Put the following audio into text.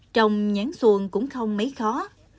trồng nhãn xuồng cũng không mấy khó